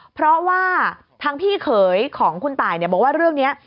เพราะว่าทางพี่เขยของคุณตายบอกว่าเรื่องนี้